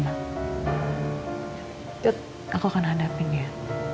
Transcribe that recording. yuk aku akan hadapin ya